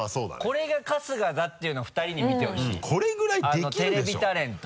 これが春日だっていうのを２人に見てほしいテレビタレント。